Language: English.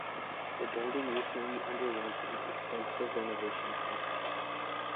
The building recently underwent an extensive renovation process.